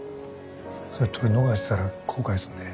それ撮り逃したら後悔すんで。